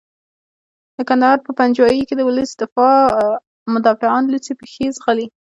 په کندهار پنجوايي کې د ولس مدافعان لوڅې پښې ځغلي.